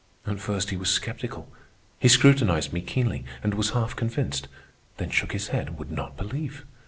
At first he was sceptical. He scrutinized me keenly and was half convinced, then shook his head and would not believe.